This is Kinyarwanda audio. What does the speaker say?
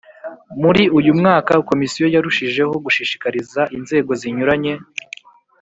muri uyu mwaka Komisiyo yarushijeho gushishikariza inzego zinyuranye